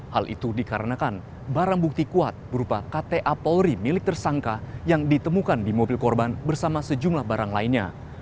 hal itu dikarenakan barang bukti kuat berupa kta polri milik tersangka yang ditemukan di mobil korban bersama sejumlah barang lainnya